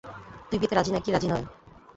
তুই বিয়েতে রাজি না-কি রাজি নয়?